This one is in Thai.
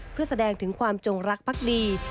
เพื่อแสดงถึงความจงรักพักดี